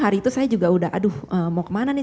hari itu saya juga udah aduh mau kemana nih